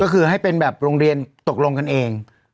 ก็คือให้เป็นแบบโรงเรียนตกลงกันเอง